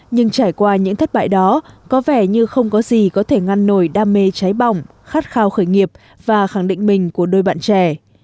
nhưng trải qua những thất bại đó có vẻ như không có gì có thể ngăn nổi đam mê cháy bỏng khát khao khởi nghiệp và khẳng định mình của đôi bạn trẻ